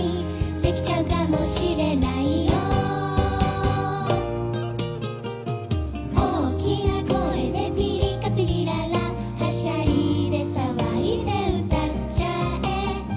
「できちゃうかもしれないよ⁉」「大きな声でビリカピリララ」「はしゃいで騒いで歌っちゃえ」